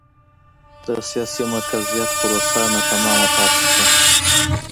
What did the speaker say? د سیاسي مرکزیت پروسه ناتمامه پاتې شوه.